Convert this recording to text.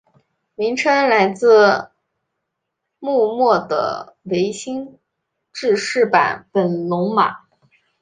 名称来自幕末的维新志士坂本龙马。